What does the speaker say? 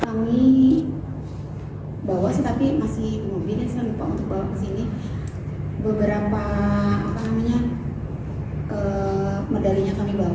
kami bawa sih tapi masih mobil dan saya lupa untuk bawa ke sini beberapa medalinya kami bawa